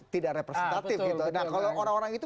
tidak representatif gitu nah kalau orang orang itu